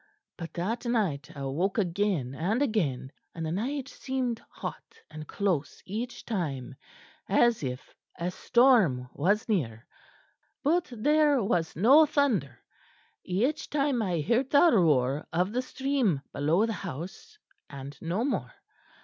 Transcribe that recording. But that night I awoke again and again; and the night seemed hot and close each time, as if a storm was near, but there was no thunder. Each time I heard the roar of the stream below the house, and no more.